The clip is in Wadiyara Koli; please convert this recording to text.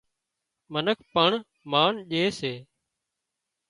منک پڻ مانَ ڄي سي